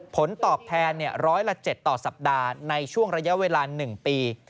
ผลตอบแทนร้อยละ๗ต่อสัปดาห์ในช่วงระยะเวลา๑ปี